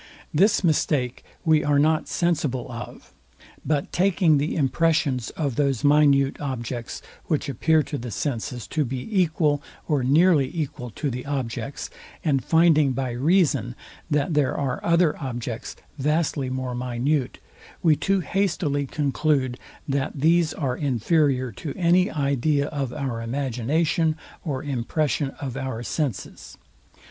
This mistake we are not sensible of: but taking the impressions of those minute objects, which appear to the senses, to be equal or nearly equal to the objects, and finding by reason, that there are other objects vastly more minute, we too hastily conclude, that these are inferior to any idea of our imagination or impression of our senses.